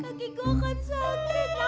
kaki gua kan sakit ya